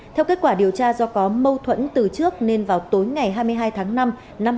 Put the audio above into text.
theo kết quả điều tra do có mâu thuẫn từ trước nên vào tối ngày hai mươi hai tháng năm năm hai nghìn hai mươi ba